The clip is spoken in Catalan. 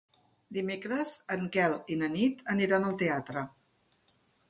Dimecres en Quel i na Nit aniran al teatre.